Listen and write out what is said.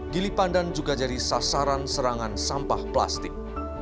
gili pandan juga jadi sasaran serangan sampah plastik